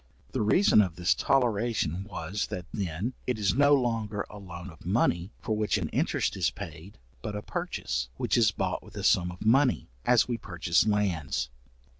The reason of this toleration was, that then it is no longer a loan of money for which an interest is paid, but a purchase, which is bought with a sum of money, as we purchase lands.